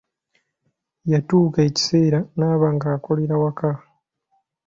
Yatuuka ekiseera n'aba ng'akolera waka.